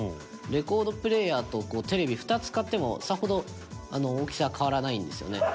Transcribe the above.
レコードプレーヤーとテレビ２つ買ってもさほど大きさは変わらないんですよね。